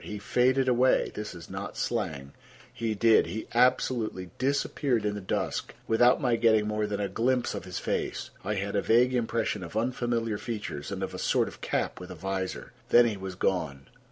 He faded away—this is not slang; he did—he absolutely disappeared in the dusk without my getting more than a glimpse of his face. I had a vague impression of unfamiliar features and of a sort of cap with a visor. Then he was gone.